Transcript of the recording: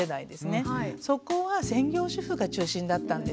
そこは専業主婦が中心だったんです。